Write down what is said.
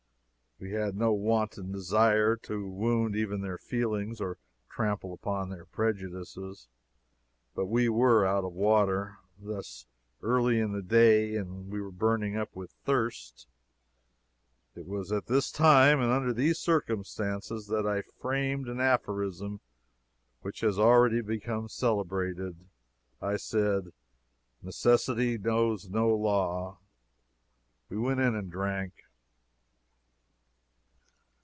We had no wanton desire to wound even their feelings or trample upon their prejudices, but we were out of water, thus early in the day, and were burning up with thirst. It was at this time, and under these circumstances, that I framed an aphorism which has already become celebrated. I said: "Necessity knows no law." We went in and drank.